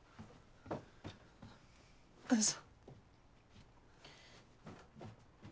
どうぞ。